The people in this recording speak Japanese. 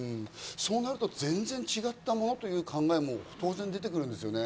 そうなると全然違ったものという考えも出てくるわけですね。